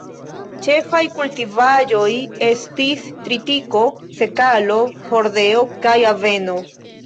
Ĉefaj kultivaĵoj estis tritiko, sekalo, hordeo kaj aveno.